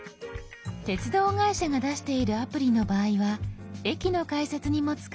鉄道会社が出しているアプリの場合は駅の改札にも使えます。